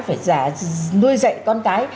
phải nuôi dạy con cái